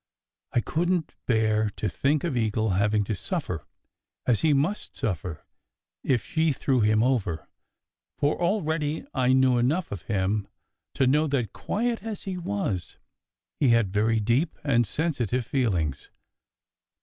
I couldn t bear to think of Eagle having to suffer, as he must suffer if she threw him over, for already I knew enough of him to know that, quiet as he was, he had very deep and sensitive feelings.